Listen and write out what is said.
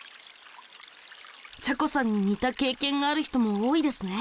ちゃこさんに似た経験がある人も多いですね。